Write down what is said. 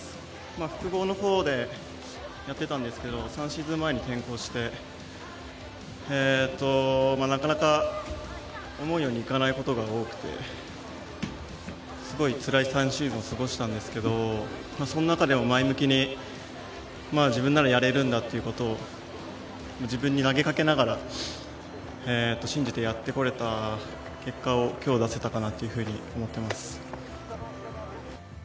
複合の方でやってたんですけど３シーズン前に転向してなかなか思うようにいかないことが多くてすごいつらい３シーズンを過ごしたんですけれどもその中でも前向きに、自分ならやれるんだっていうことを自分に投げかけながら信じてやってこれた結果を今日出せたかなというふうに思っています。